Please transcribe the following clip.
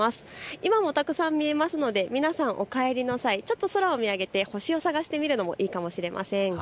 今もたくさん見えますので皆さんお帰りの際、ちょっと空を見上げて星を探してみるのもいいかもしれません。